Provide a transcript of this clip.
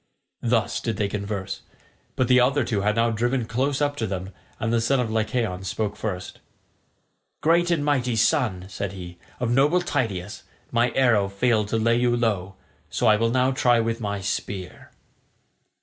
Thus did they converse, but the other two had now driven close up to them, and the son of Lycaon spoke first. "Great and mighty son," said he, "of noble Tydeus, my arrow failed to lay you low, so I will now try with my spear."